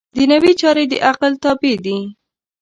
دنیوي چارې د عقل تابع دي.